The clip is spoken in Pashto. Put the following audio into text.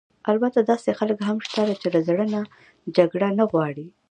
البته داسې خلک هم شته چې له زړه نه جګړه نه غواړي.